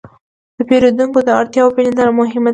د پیرودونکو د اړتیاوو پېژندنه مهمه ده.